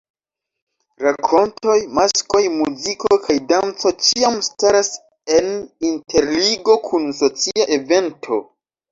Rakontoj, maskoj, muziko kaj danco ĉiam staras en interligo kun socia evento.